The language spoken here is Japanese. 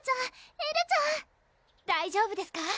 エルちゃん大丈夫ですか？